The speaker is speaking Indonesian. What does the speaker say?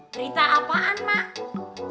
berita apaan mak